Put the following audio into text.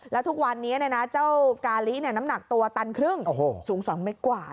แล้วทุกวันนี้เจ้ากาลิน้ำหนักตัวตันครึ่งสูง๒เมตรกว่า